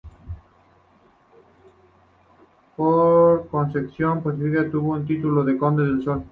Por concesión pontificia tuvo el título de Conde de Sol.